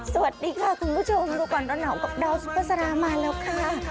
สวัสดีค่ะคุณผู้ชมดูก่อนร้อนหนาวกับดาวซุปเปอร์สารามาแล้วค่ะ